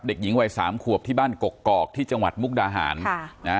เด็กหญิงวัยสามขวบที่บ้านกกอกที่จังหวัดมุกดาหารค่ะนะฮะ